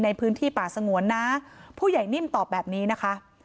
ในพื้นที่ป่าสงวนนะผู้ใหญ่นิ่มตอบแบบนี้นะคะ